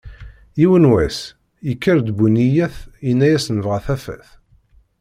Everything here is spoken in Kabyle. Yiwen n wass yekker-d bu nniyat, yenna-as nebγa tafat.